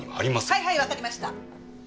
はいはいわかりました。